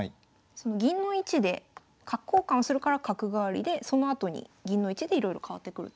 その銀の位置で角交換するから角換わりでそのあとに銀の位置でいろいろ変わってくると。